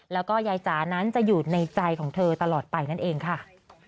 แล้วก็ยายจ๋านั้นจะอยู่ในใจของเธอตลอดไปนั่นเองค่ะ